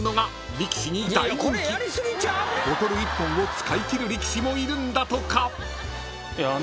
［ボトル１本を使い切る力士もいるんだとか］